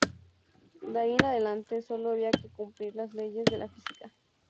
De ahí en adelante solo había que cumplir las leyes de la física.